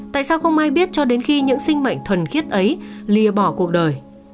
tại sao không ai biết cho đến khi những sinh mệnh thuần khiết ấy lìa bỏ cuộc đời